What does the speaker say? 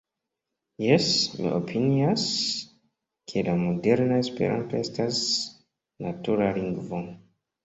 Jes, mi opinias, ke la moderna Esperanto estas natura lingvo.